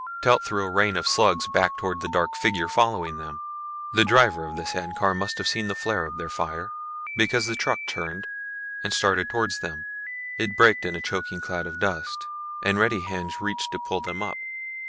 Telt threw a rain of slugs back towards the dark figures following them. The driver of the sand car must have seen the flare of their fire, because the truck turned and started towards them. It braked in a choking cloud of dust and ready hands reached to pull them up.